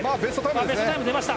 ベストタイム出ました。